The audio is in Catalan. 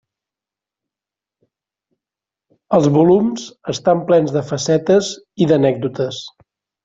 Els volums estan plens de facetes i d'anècdotes.